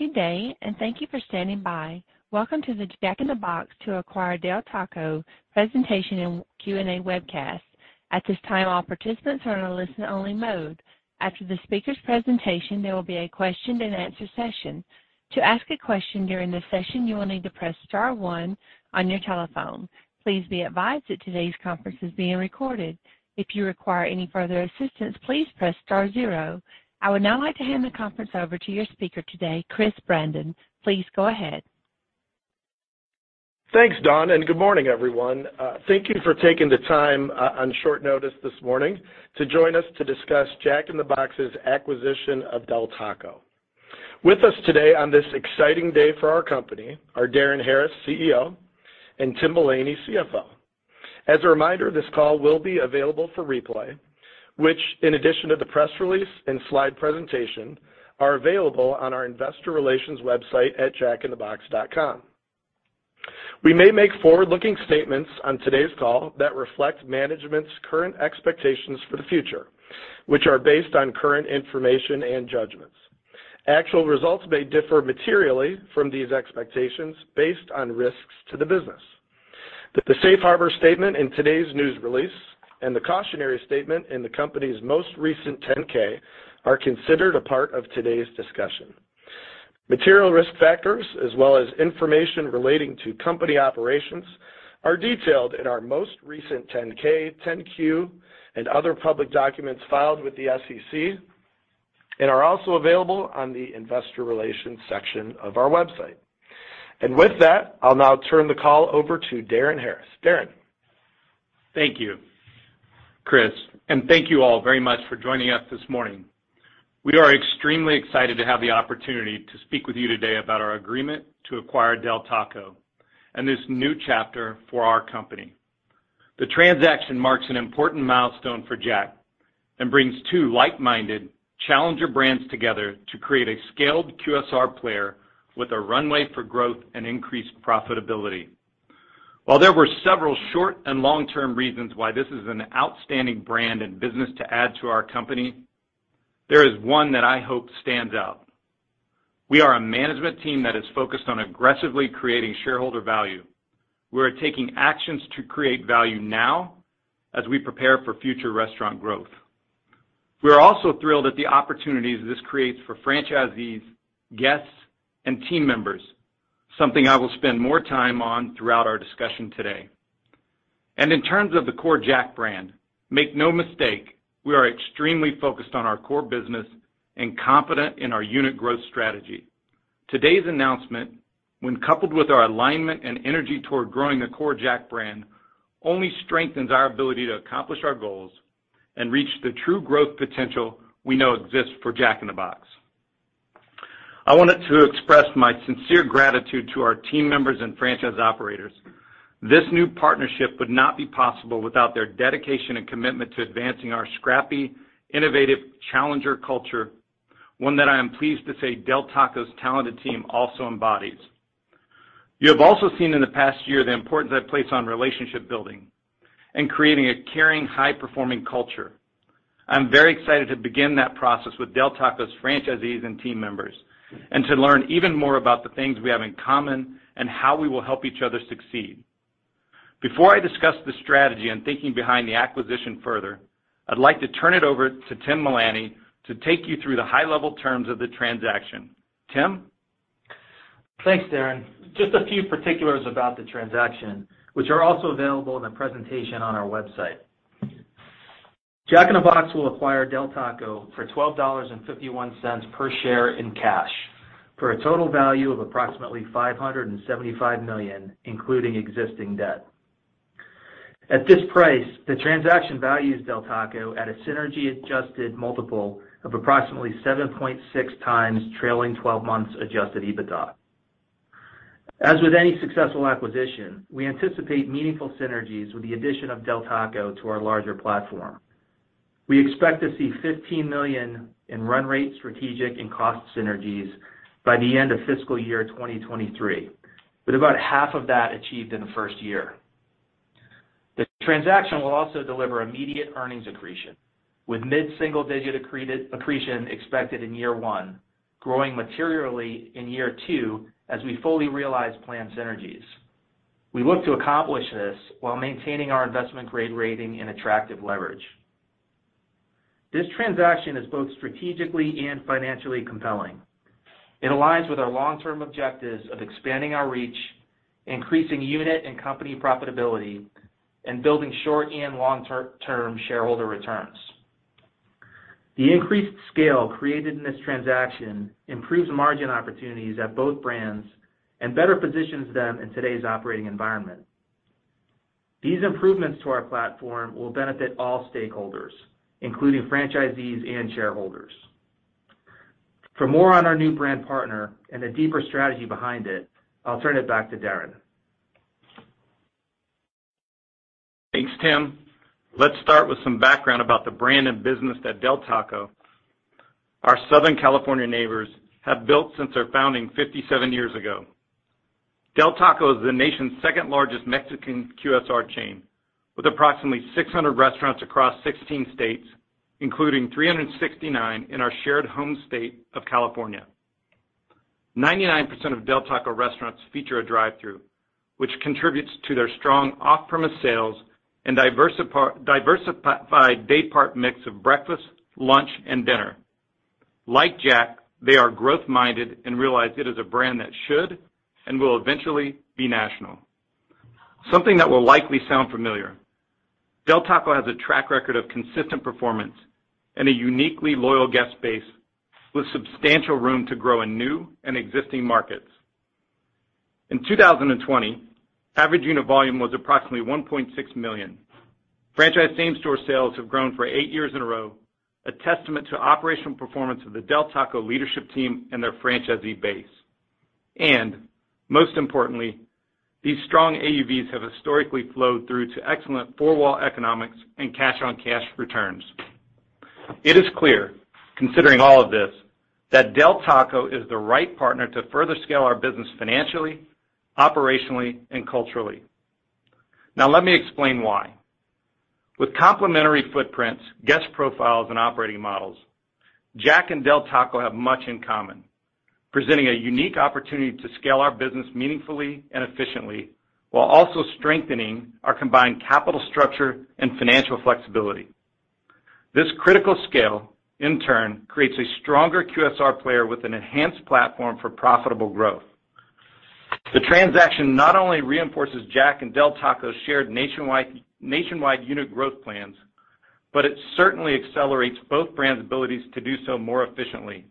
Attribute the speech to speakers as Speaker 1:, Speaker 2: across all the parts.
Speaker 1: Good day, and thank you for standing by. Welcome to the Jack in the Box to acquire Del Taco presentation and Q&A webcast. At this time, all participants are in a listen-only mode. After the speaker's presentation, there will be a question-and-answer session. To ask a question during the session, you will need to press star one on your telephone. Please be advised that today's conference is being recorded. If you require any further assistance, please press star zero. I would now like to hand the conference over to your speaker today, Chris Brandon. Please go ahead.
Speaker 2: Thanks, Don, and good morning, everyone. Thank you for taking the time on short notice this morning to join us to discuss Jack in the Box's acquisition of Del Taco. With us today on this exciting day for our company are Darin Harris, CEO, and Tim Mullany, CFO. As a reminder, this call will be available for replay, which, in addition to the press release and slide presentation, are available on our investor relations website at jackinthebox.com. We may make forward-looking statements on today's call that reflect management's current expectations for the future, which are based on current information and judgments. Actual results may differ materially from these expectations based on risks to the business. Note that the safe harbor statement in today's news release and the cautionary statement in the company's most recent 10-K are considered a part of today's discussion. Material risk factors as well as information relating to company operations are detailed in our most recent 10-K, 10-Q, and other public documents filed with the SEC, and are also available on the investor relations section of our website. With that, I'll now turn the call over to Darin Harris. Darin.
Speaker 3: Thank you, Chris, and thank you all very much for joining us this morning. We are extremely excited to have the opportunity to speak with you today about our agreement to acquire Del Taco and this new chapter for our company. The transaction marks an important milestone for Jack and brings two like-minded challenger brands together to create a scaled QSR player with a runway for growth and increased profitability. While there were several short and long-term reasons why this is an outstanding brand and business to add to our company, there is one that I hope stands out. We are a management team that is focused on aggressively creating shareholder value. We're taking actions to create value now as we prepare for future restaurant growth. We are also thrilled at the opportunities this creates for franchisees, guests, and team members, something I will spend more time on throughout our discussion today. In terms of the core Jack brand, make no mistake, we are extremely focused on our core business and confident in our unit growth strategy. Today's announcement, when coupled with our alignment and energy toward growing the core Jack brand, only strengthens our ability to accomplish our goals and reach the true growth potential we know exists for Jack in the Box. I wanted to express my sincere gratitude to our team members and franchise operators. This new partnership would not be possible without their dedication and commitment to advancing our scrappy, innovative challenger culture, one that I am pleased to say Del Taco's talented team also embodies. You have also seen in the past year the importance I place on relationship building and creating a caring, high-performing culture. I'm very excited to begin that process with Del Taco's franchisees and team members, and to learn even more about the things we have in common and how we will help each other succeed. Before I discuss the strategy and thinking behind the acquisition further, I'd like to turn it over to Tim Mullany to take you through the high-level terms of the transaction. Tim?
Speaker 4: Thanks, Darin. Just a few particulars about the transaction, which are also available in a presentation on our website. Jack in the Box will acquire Del Taco for $12.51 per share in cash, for a total value of approximately $575 million, including existing debt. At this price, the transaction values Del Taco at a synergy-adjusted multiple of approximately 7.6x trailing twelve months adjusted EBITDA. As with any successful acquisition, we anticipate meaningful synergies with the addition of Del Taco to our larger platform. We expect to see $15 million in run rate, strategic, and cost synergies by the end of fiscal year 2023, with about half of that achieved in the first year. The transaction will also deliver immediate earnings accretion, with mid-single-digit accretion expected in year one, growing materially in year two as we fully realize planned synergies. We look to accomplish this while maintaining our investment-grade rating and attractive leverage. This transaction is both strategically and financially compelling. It aligns with our long-term objectives of expanding our reach, increasing unit and company profitability, and building short and long-term shareholder returns. The increased scale created in this transaction improves margin opportunities at both brands and better positions them in today's operating environment. These improvements to our platform will benefit all stakeholders, including franchisees and shareholders. For more on our new brand partner and the deeper strategy behind it, I'll turn it back to Darin.
Speaker 3: Thanks, Tim. Let's start with some background about the brand and business that Del Taco, our Southern California neighbors, have built since their founding 57 years ago. Del Taco is the nation's second-largest Mexican QSR chain, with approximately 600 restaurants across 16 states, including 369 in our shared home state of California. 99% of Del Taco restaurants feature a drive-through, which contributes to their strong off-premise sales and diversified daypart mix of breakfast, lunch, and dinner. Like Jack, they are growth-minded and realize it is a brand that should and will eventually be national. Something that will likely sound familiar. Del Taco has a track record of consistent performance and a uniquely loyal guest base with substantial room to grow in new and existing markets. In 2020, average unit volume was approximately $1.6 million. Franchise same-store sales have grown for eight years in a row, a testament to operational performance of the Del Taco leadership team and their franchisee base. Most importantly, these strong AUVs have historically flowed through to excellent four-wall economics and cash-on-cash returns. It is clear, considering all of this, that Del Taco is the right partner to further scale our business financially, operationally, and culturally. Now, let me explain why. With complementary footprints, guest profiles, and operating models, Jack and Del Taco have much in common, presenting a unique opportunity to scale our business meaningfully and efficiently while also strengthening our combined capital structure and financial flexibility. This critical scale, in turn, creates a stronger QSR player with an enhanced platform for profitable growth. The transaction not only reinforces Jack and Del Taco's shared nationwide unit growth plans, but it certainly accelerates both brands' abilities to do so more efficiently.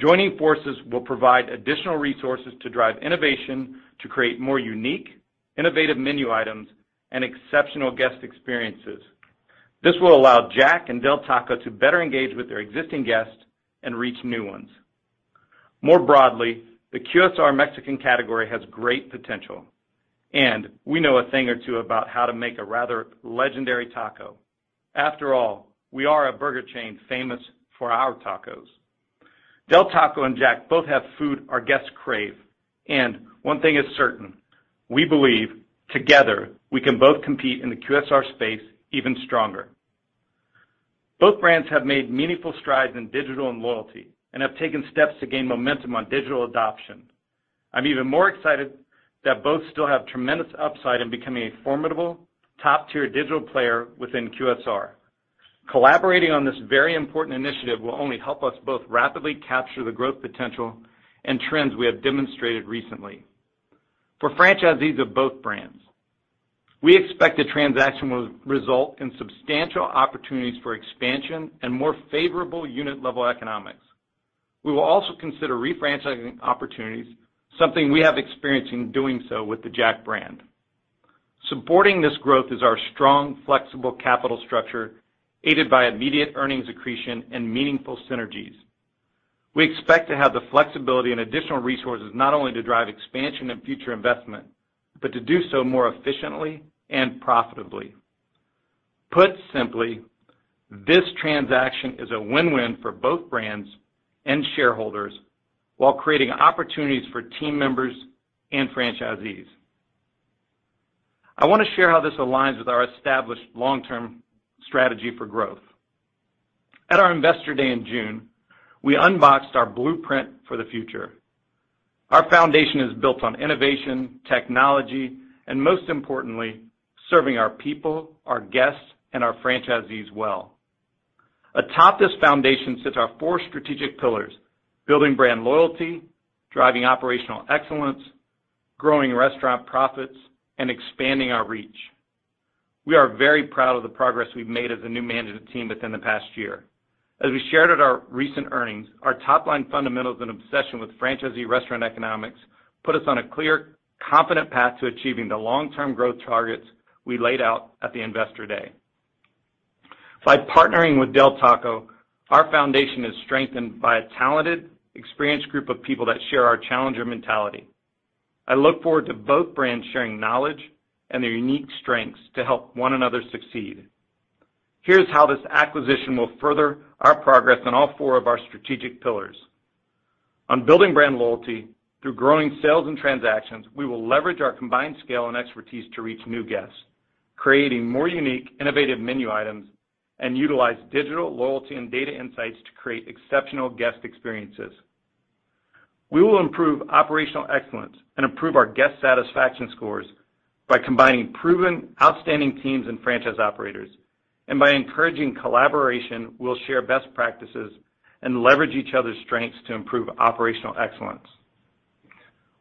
Speaker 3: Joining forces will provide additional resources to drive innovation to create more unique, innovative menu items and exceptional guest experiences. This will allow Jack and Del Taco to better engage with their existing guests and reach new ones. More broadly, the QSR Mexican category has great potential, and we know a thing or two about how to make a rather legendary taco. After all, we are a burger chain famous for our tacos. Del Taco and Jack both have food our guests crave, and one thing is certain, we believe together we can both compete in the QSR space even stronger. Both brands have made meaningful strides in digital and loyalty and have taken steps to gain momentum on digital adoption. I'm even more excited that both still have tremendous upside in becoming a formidable, top-tier digital player within QSR. Collaborating on this very important initiative will only help us both rapidly capture the growth potential and trends we have demonstrated recently. For franchisees of both brands, we expect the transaction will result in substantial opportunities for expansion and more favorable unit-level economics. We will also consider refranchising opportunities, something we have experience in doing so with the Jack brand. Supporting this growth is our strong, flexible capital structure, aided by immediate earnings accretion and meaningful synergies. We expect to have the flexibility and additional resources not only to drive expansion and future investment, but to do so more efficiently and profitably. Put simply, this transaction is a win-win for both brands and shareholders while creating opportunities for team members and franchisees. I want to share how this aligns with our established long-term strategy for growth. At our Investor Day in June, we unboxed our blueprint for the future. Our foundation is built on innovation, technology, and most importantly, serving our people, our guests, and our franchisees well. Atop this foundation sits our four strategic pillars, building brand loyalty, driving operational excellence, growing restaurant profits, and expanding our reach. We are very proud of the progress we've made as a new management team within the past year. As we shared at our recent earnings, our top-line fundamentals and obsession with franchisee restaurant economics put us on a clear, confident path to achieving the long-term growth targets we laid out at the Investor Day. By partnering with Del Taco, our foundation is strengthened by a talented, experienced group of people that share our challenger mentality. I look forward to both brands sharing knowledge and their unique strengths to help one another succeed. Here's how this acquisition will further our progress on all four of our strategic pillars. On building brand loyalty through growing sales and transactions, we will leverage our combined scale and expertise to reach new guests, creating more unique, innovative menu items, and utilize digital loyalty and data insights to create exceptional guest experiences. We will improve operational excellence and improve our guest satisfaction scores by combining proven outstanding teams and franchise operators, and by encouraging collaboration, we'll share best practices and leverage each other's strengths to improve operational excellence.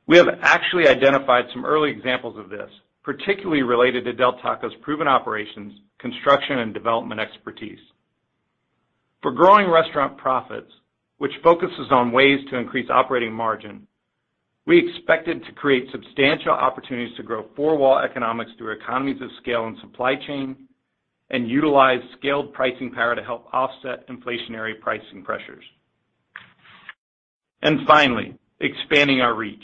Speaker 3: We have actually identified some early examples of this, particularly related to Del Taco's proven operations, construction, and development expertise. For growing restaurant profits, which focuses on ways to increase operating margin, we expected to create substantial opportunities to grow four-wall economics through economies of scale and supply chain and utilize scaled pricing power to help offset inflationary pricing pressures. Finally, expanding our reach.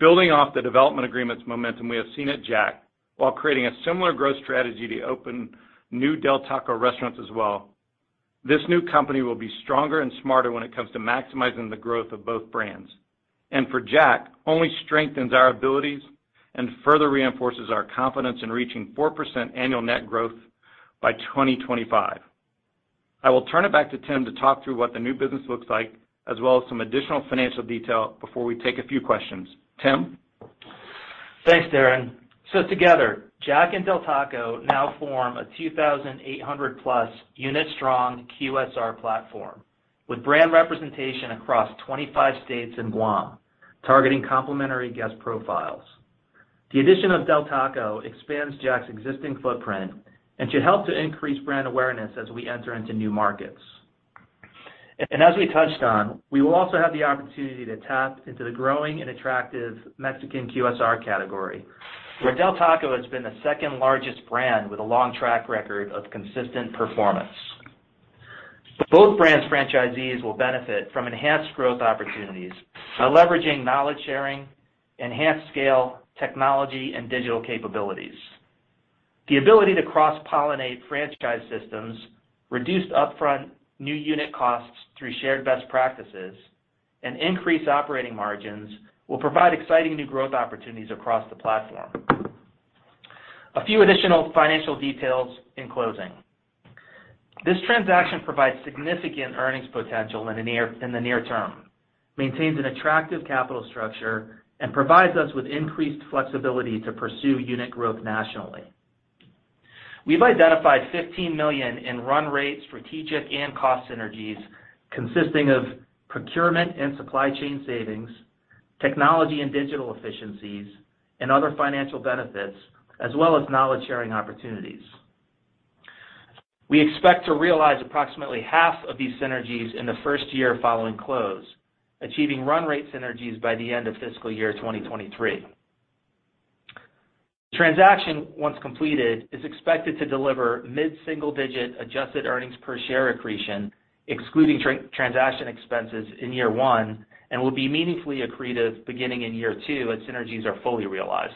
Speaker 3: Building off the development agreements momentum we have seen at Jack while creating a similar growth strategy to open new Del Taco restaurants as well. This new company will be stronger and smarter when it comes to maximizing the growth of both brands. For Jack, only strengthens our abilities and further reinforces our confidence in reaching 4% annual net growth by 2025. I will turn it back to Tim to talk through what the new business looks like, as well as some additional financial detail before we take a few questions. Tim?
Speaker 4: Thanks, Darin. Together, Jack and Del Taco now form a 2,800+ unit strong QSR platform with brand representation across 25 states in Guam, targeting complementary guest profiles. The addition of Del Taco expands Jack's existing footprint and should help to increase brand awareness as we enter into new markets. As we touched on, we will also have the opportunity to tap into the growing and attractive Mexican QSR category, where Del Taco has been the second-largest brand with a long track record of consistent performance. Both brands' franchisees will benefit from enhanced growth opportunities by leveraging knowledge sharing, enhanced scale, technology and digital capabilities. The ability to cross-pollinate franchise systems, reduce upfront new unit costs through shared best practices, and increase operating margins will provide exciting new growth opportunities across the platform. A few additional financial details in closing. This transaction provides significant earnings potential in the near term, maintains an attractive capital structure, and provides us with increased flexibility to pursue unit growth nationally. We've identified $15 million in run-rate strategic and cost synergies consisting of procurement and supply chain savings, technology and digital efficiencies, and other financial benefits, as well as knowledge-sharing opportunities. We expect to realize approximately half of these synergies in the first year following close, achieving run-rate synergies by the end of fiscal year 2023. The transaction, once completed, is expected to deliver mid-single-digit adjusted earnings per share accretion, excluding transaction expenses in year one, and will be meaningfully accretive beginning in year two as synergies are fully realized.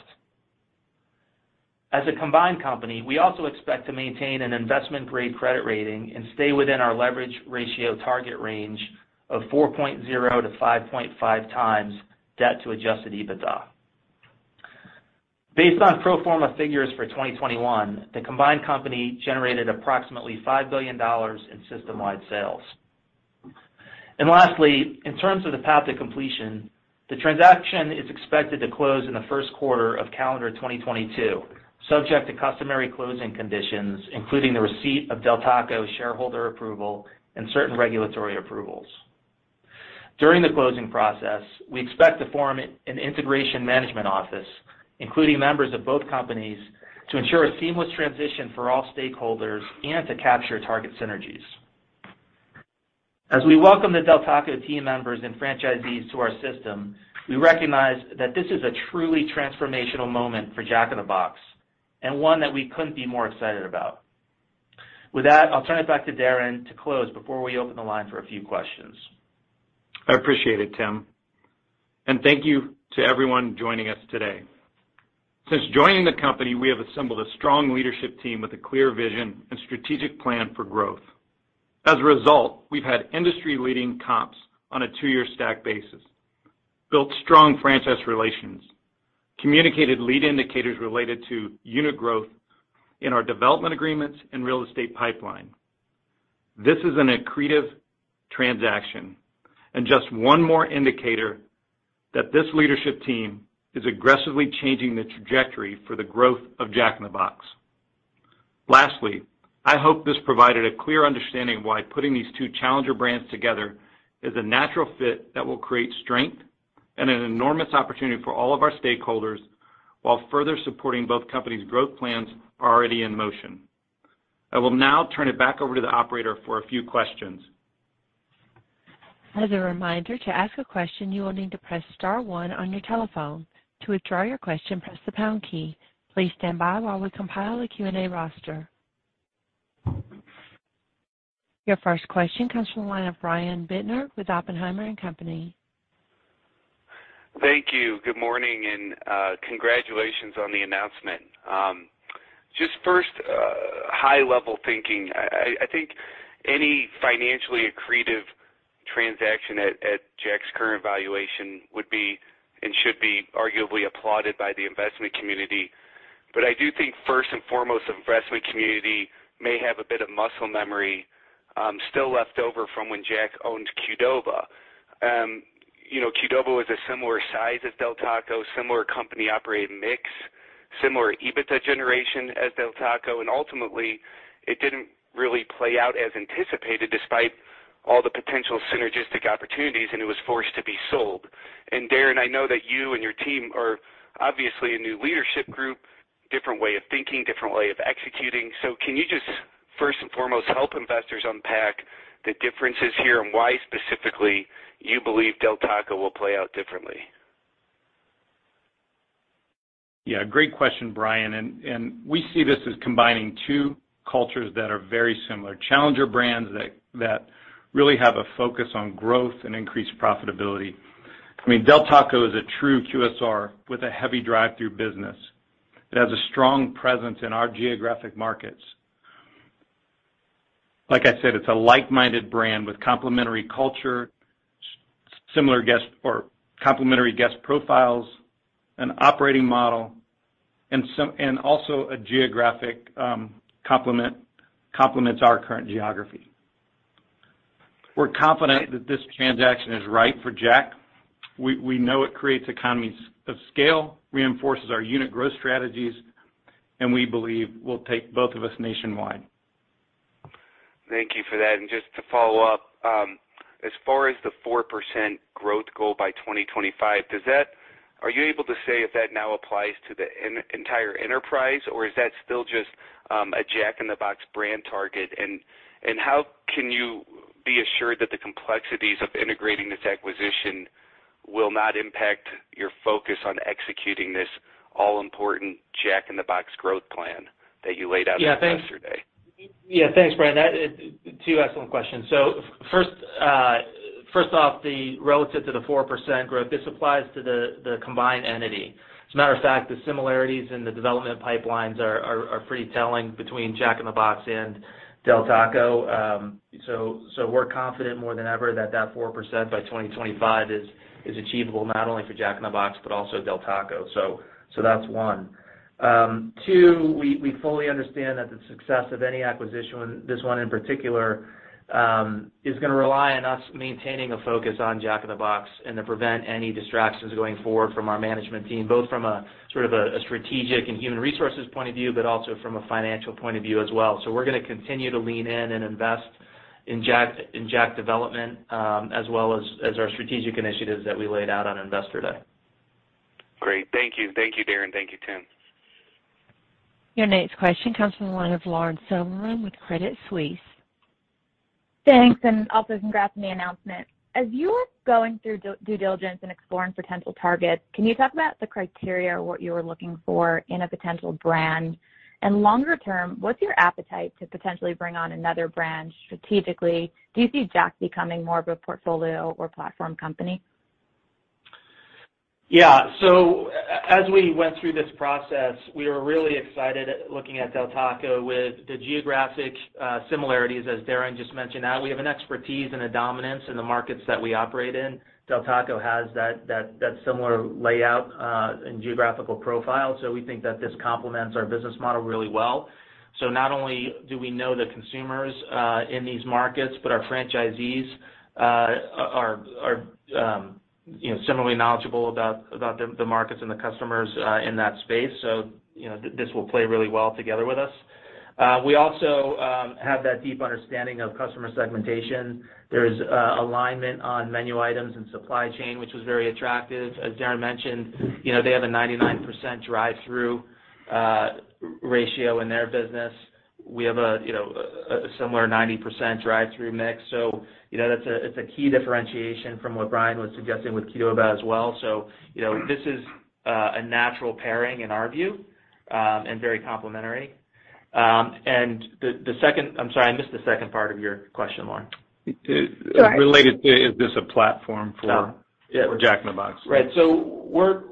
Speaker 4: As a combined company, we also expect to maintain an investment-grade credit rating and stay within our leverage ratio target range of 4.0-5.5x debt to adjusted EBITDA. Based on pro forma figures for 2021, the combined company generated approximately $5 billion in system-wide sales. Lastly, in terms of the path to completion, the transaction is expected to close in the first quarter of calendar 2022, subject to customary closing conditions, including the receipt of Del Taco shareholder approval and certain regulatory approvals. During the closing process, we expect to form an integration management office, including members of both companies, to ensure a seamless transition for all stakeholders and to capture target synergies. As we welcome the Del Taco team members and franchisees to our system, we recognize that this is a truly transformational moment for Jack in the Box, and one that we couldn't be more excited about. With that, I'll turn it back to Darin to close before we open the line for a few questions.
Speaker 3: I appreciate it, Tim. Thank you to everyone joining us today. Since joining the company, we have assembled a strong leadership team with a clear vision and strategic plan for growth. As a result, we've had industry-leading comps on a two-year stack basis, built strong franchise relations, communicated lead indicators related to unit growth in our development agreements and real estate pipeline. This is an accretive transaction and just one more indicator that this leadership team is aggressively changing the trajectory for the growth of Jack in the Box. Lastly, I hope this provided a clear understanding why putting these two challenger brands together is a natural fit that will create strength and an enormous opportunity for all of our stakeholders while further supporting both companies' growth plans already in motion. I will now turn it back over to the operator for a few questions.
Speaker 1: Your first question comes from the line of Brian Bittner with Oppenheimer & Co.
Speaker 5: Thank you. Good morning and, congratulations on the announcement. Just first, high-level thinking. I think any financially accretive transaction at Jack's current valuation would be and should be arguably applauded by the investment community. I do think first and foremost, investment community may have a bit of muscle memory, still left over from when Jack owned Qdoba. You know, Qdoba was a similar size as Del Taco, similar company operating mix, similar EBITDA generation as Del Taco, and ultimately, it didn't really play out as anticipated despite all the potential synergistic opportunities, and it was forced to be sold. Darin, I know that you and your team are obviously a new leadership group, different way of thinking, different way of executing. Can you just first and foremost help investors unpack the differences here and why specifically you believe Del Taco will play out differently?
Speaker 3: Yeah, great question, Brian. We see this as combining two cultures that are very similar. Challenger brands that really have a focus on growth and increased profitability. I mean, Del Taco is a true QSR with a heavy drive-thru business. It has a strong presence in our geographic markets. Like I said, it's a like-minded brand with complementary culture, similar guest or complementary guest profiles and operating model, and also a geographic complements our current geography. We're confident that this transaction is right for Jack. We know it creates economies of scale, reinforces our unit growth strategies, and we believe will take both of us nationwide.
Speaker 5: Thank you for that. Just to follow up, as far as the 4% growth goal by 2025, are you able to say if that now applies to the entire enterprise, or is that still just a Jack in the Box brand target? How can you be assured that the complexities of integrating this acquisition will not impact your focus on executing this all-important Jack in the Box growth plan that you laid out on Investor Day?
Speaker 4: Yeah, thanks. Yeah, thanks, Brian. That, it— two excellent questions. First, first off, relative to the 4% growth, this applies to the combined entity. As a matter of fact, the similarities in the development pipelines are pretty telling between Jack in the Box and Del Taco. We're confident more than ever that that 4% by 2025 is achievable, not only for Jack in the Box but also Del Taco. That's one. We fully understand that the success of any acquisition, this one in particular, is gonna rely on us maintaining a focus on Jack in the Box and to prevent any distractions going forward from our management team, both from a sort of strategic and human resources point of view, but also from a financial point of view as well. We're gonna continue to lean in and invest in Jack development, as well as our strategic initiatives that we laid out on Investor Day.
Speaker 5: Great. Thank you. Thank you, Darin. Thank you, Tim.
Speaker 1: Your next question comes from the line of Lauren Silberman with Credit Suisse.
Speaker 6: Thanks, and also congrats on the announcement. As you were going through due diligence and exploring potential targets, can you talk about the criteria or what you were looking for in a potential brand? Longer term, what's your appetite to potentially bring on another brand strategically? Do you see Jack becoming more of a portfolio or platform company?
Speaker 4: Yeah. As we went through this process, we were really excited at looking at Del Taco with the geographic similarities, as Darin just mentioned, how we have an expertise and a dominance in the markets that we operate in. Del Taco has that similar layout and geographical profile. We think that this complements our business model really well. Not only do we know the consumers in these markets, but our franchisees are, you know, similarly knowledgeable about the markets and the customers in that space. You know, this will play really well together with us. We also have that deep understanding of customer segmentation. There's alignment on menu items and supply chain, which was very attractive. As Darin mentioned, you know, they have a 99% drive-through ratio in their business. We have you know a similar 90% drive-through mix. You know that's a key differentiation from what Brian was suggesting with Qdoba as well. You know this is a natural pairing in our view and very complementary. I'm sorry I missed the second part of your question, Lauren.
Speaker 6: Sorry.
Speaker 3: Related to, is this a platform for?
Speaker 4: No.
Speaker 3: for Jack in the Box?
Speaker 4: Right. We're,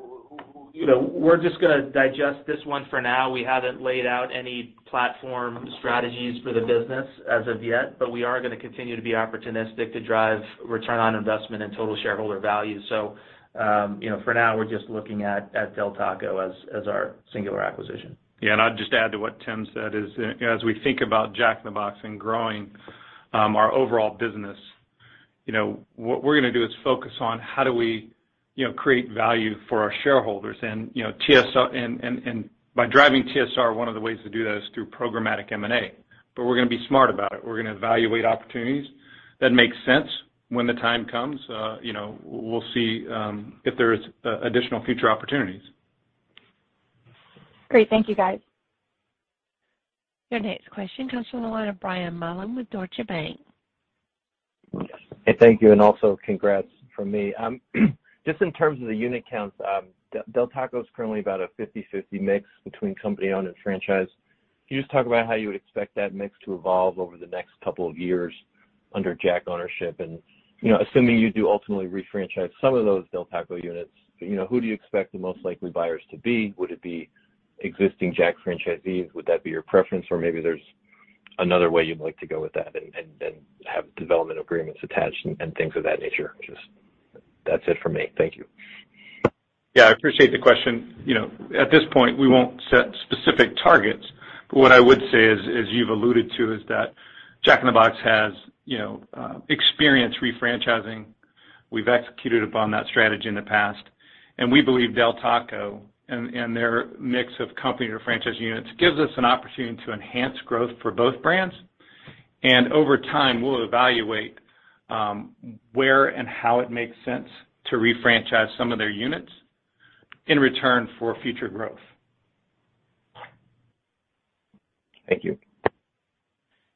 Speaker 4: you know, we're just gonna digest this one for now. We haven't laid out any platform strategies for the business as of yet, but we are gonna continue to be opportunistic to drive return on investment and total shareholder value. You know, for now, we're just looking at Del Taco as our singular acquisition.
Speaker 3: Yeah. I'd just add to what Tim said is, you know, as we think about Jack in the Box and growing our overall business, you know, what we're gonna do is focus on how do we, you know, create value for our shareholders. You know, TSR and by driving TSR, one of the ways to do that is through programmatic M&A. We're gonna be smart about it. We're gonna evaluate opportunities that make sense when the time comes. You know, we'll see if there's additional future opportunities.
Speaker 6: Great. Thank you, guys.
Speaker 1: Your next question comes from the line of Brian Mullan with Deutsche Bank.
Speaker 7: Hey, thank you, and also congrats from me. Just in terms of the unit counts, Del Taco is currently about a 50/50 mix between company-owned and franchise. Can you just talk about how you would expect that mix to evolve over the next couple of years under Jack ownership? You know, assuming you do ultimately refranchise some of those Del Taco units, you know, who do you expect the most likely buyers to be? Would it be existing Jack franchisees? Would that be your preference? Or maybe there's another way you'd like to go with that and have development agreements attached and things of that nature. Just, that's it for me. Thank you.
Speaker 3: Yeah, I appreciate the question. You know, at this point, we won't set specific targets. What I would say is, as you've alluded to, is that Jack in the Box has, you know, experience refranchising. We've executed upon that strategy in the past, and we believe Del Taco and their mix of company or franchise units gives us an opportunity to enhance growth for both brands. Over time, we'll evaluate where and how it makes sense to refranchise some of their units in return for future growth.
Speaker 7: Thank you.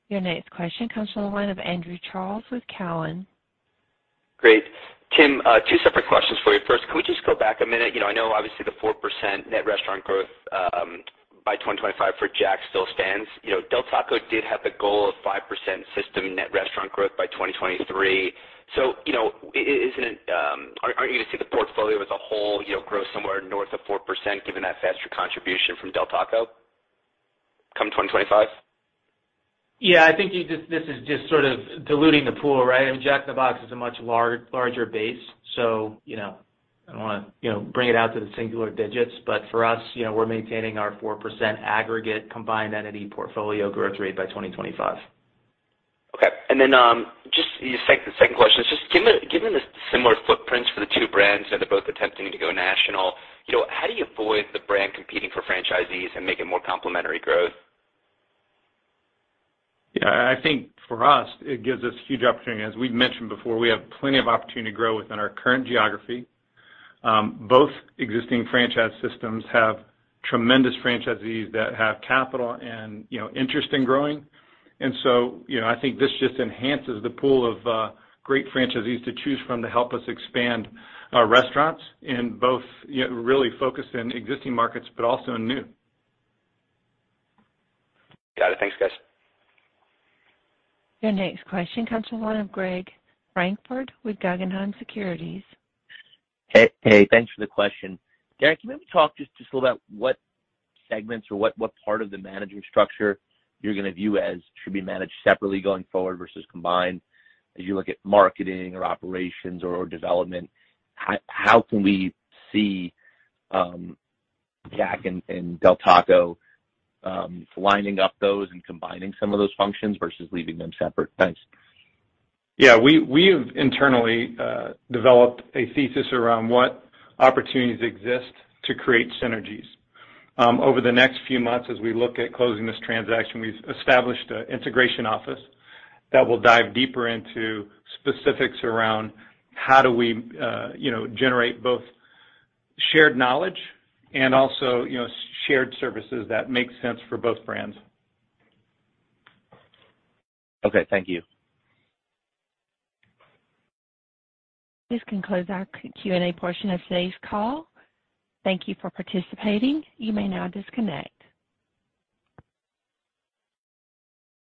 Speaker 1: Your next question comes from the line of Andrew Charles with Cowen.
Speaker 8: Great. Tim, two separate questions for you. First, can we just go back a minute? You know, I know obviously the 4% net restaurant growth by 2025 for Jack's still stands. You know, Del Taco did have the goal of 5% system net restaurant growth by 2023. You know, isn't it, aren't you gonna see the portfolio as a whole, you know, grow somewhere north of 4% given that faster contribution from Del Taco come 2025?
Speaker 4: Yeah, I think this is just sort of diluting the pool, right? I mean, Jack in the Box is a much larger base, so you know. I don't wanna, you know, bring it out to the singular digits, but for us, you know, we're maintaining our 4% aggregate combined entity portfolio growth rate by 2025.
Speaker 8: Okay. Just the second question is just given the similar footprints for the two brands, you know, they're both attempting to go national, you know, how do you avoid the brand competing for franchisees and make it more complementary growth?
Speaker 3: Yeah. I think for us, it gives us huge opportunity. As we've mentioned before, we have plenty of opportunity to grow within our current geography. Both existing franchise systems have tremendous franchisees that have capital and, you know, interest in growing. You know, I think this just enhances the pool of great franchisees to choose from to help us expand restaurants in both, you know, really focused in existing markets but also in new.
Speaker 8: Got it. Thanks, guys.
Speaker 1: Your next question comes from the line of Greg Francfort with Guggenheim Securities.
Speaker 9: Hey, thanks for the question. Darin, can you maybe talk just a little about what segments or what part of the management structure you're gonna view as should be managed separately going forward versus combined as you look at marketing or operations or development? How can we see Jack and Del Taco lining up those and combining some of those functions versus leaving them separate? Thanks.
Speaker 3: Yeah, we have internally developed a thesis around what opportunities exist to create synergies. Over the next few months as we look at closing this transaction, we've established an integration office that will dive deeper into specifics around how do we, you know, generate both shared knowledge and also, you know, shared services that make sense for both brands.
Speaker 9: Okay, thank you.
Speaker 1: This concludes our Q&A portion of today's call. Thank you for participating. You may now disconnect.